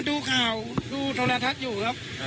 ก็ดูข่าวทรวนทัศน์อยู่ครับ